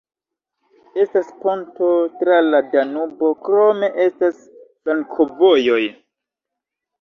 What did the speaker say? Estas ponto tra la Danubo, krome estas flankovojoj.